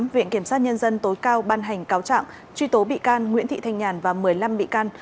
viện kiểm sát nhân dân tối cao ban hành cáo trạng truy tố bị can nguyễn thị thanh nhàn và một mươi năm bị can